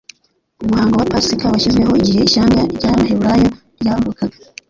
Umuhango wa Pasika washyizweho igihe ishyanga ry'Abaheburayo ryavukaga,